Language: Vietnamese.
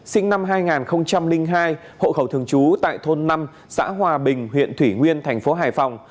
sinh năm hai nghìn hai hộ khẩu thường trú tại thôn năm xã hòa bình huyện thủy nguyên thành phố hải phòng